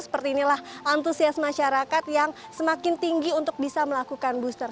seperti inilah antusias masyarakat yang semakin tinggi untuk bisa melakukan booster